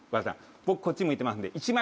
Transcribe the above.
僕こっち向いてますんで。